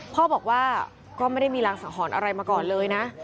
พ่อบอกว่าก็ไม่ได้มีรางสังหรณ์อะไรมาก่อนเลยนะ